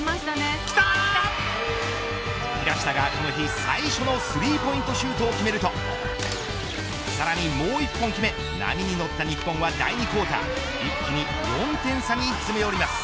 平下がこの日最初のスリーポイントシュートを決めるとさらにもう１本決め波に乗った日本は第２クオーター一気に４点差に詰め寄ります。